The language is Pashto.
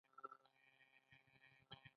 آیا د پښتنو ژبه به تل ژوندی نه وي؟